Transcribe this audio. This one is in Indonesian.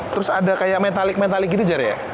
terus ada kayak metallic metallic gitu jar ya